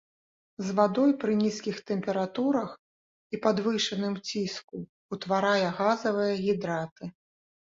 З вадой пры нізкіх тэмпературах і падвышаным ціску ўтварае газавыя гідраты.